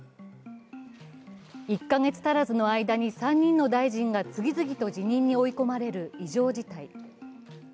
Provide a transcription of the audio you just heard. １か月足らずの間に３人の大臣が次々と辞任に追い込まれる異常事態。